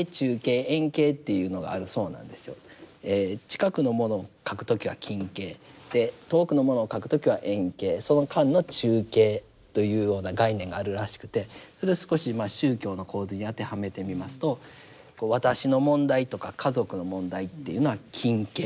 近くのものを描く時は近景で遠くのものを描く時は遠景その間の中景というような概念があるらしくてそれを少し宗教の構図に当てはめてみますと私の問題とか家族の問題っていうのは近景。